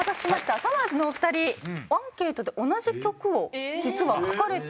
さまぁずのお二人アンケートで同じ曲を実は書かれていたと。